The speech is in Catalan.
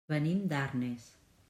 Venim d'Arnes.